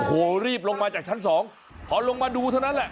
โอ้โหรีบลงมาจากชั้นสองพอลงมาดูเท่านั้นแหละ